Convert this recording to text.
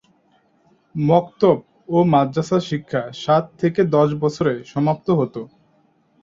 মকতব ও মাদ্রাসা শিক্ষা সাত থেকে দশ বছরে সমাপ্ত হতো।